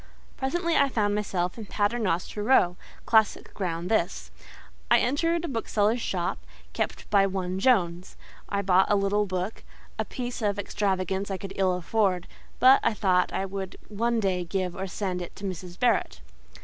Presently I found myself in Paternoster Row—classic ground this. I entered a bookseller's shop, kept by one Jones: I bought a little book—a piece of extravagance I could ill afford; but I thought I would one day give or send it to Mrs. Barrett.